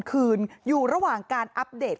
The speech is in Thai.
คืนอยู่ระหว่างการอัปเดต